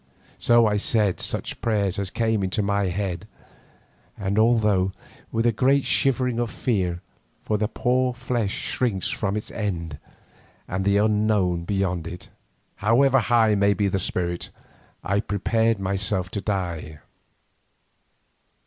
So I said such prayers as came into my head, and although with a great shivering of fear, for the poor flesh shrinks from its end and the unknown beyond it, however high may be the spirit, I prepared myself to die.